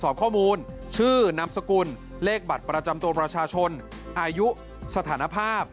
สอบข้อมูลชื่อนามสกุลเลขบัตรประจำตัวประชาชนอายุสถานภาพ